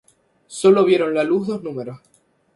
Sólo vieron la luz dos números.